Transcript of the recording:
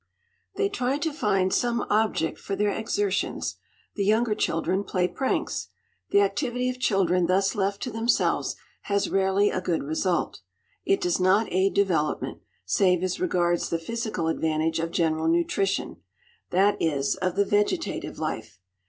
They try to find some object for their exertions; the younger children play pranks. The activity of children thus left to themselves has rarely a good result; it does not aid development, save as regards the physical advantage of general nutrition, that is, of the vegetative life.